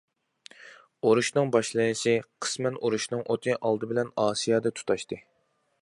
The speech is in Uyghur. ئۇرۇشنىڭ باشلىنىشى قىسمەن ئۇرۇشنىڭ ئوتى ئالدى بىلەن ئاسىيادا تۇتاشتى.